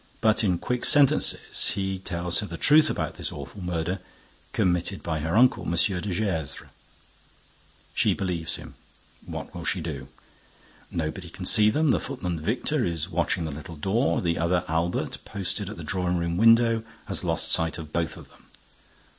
But, in quick sentences, he tells her the truth about this awful murder committed by her uncle, M. de Gesvres. She believes him. What will she do? Nobody can see them. The footman Victor is watching the little door. The other, Albert, posted at the drawing room window, has lost sight of both of them.